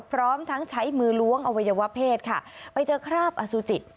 พร้อมทั้งใช้มือล้วงอวัยวะเพศค่ะไปเจอคราบอสุจิ